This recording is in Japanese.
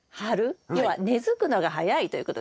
要は根づくのが早いということですね。